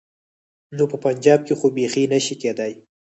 نو په پنجاب کې خو بيخي نه شي کېدای.